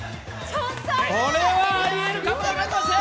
これはありえるかも分かりません。